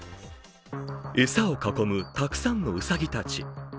餌を囲むたくさんのうさぎたち。